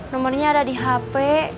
nomernya ada di hp